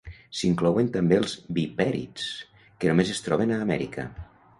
S'inclouen també els vipèrids, que només es troben a Amèrica.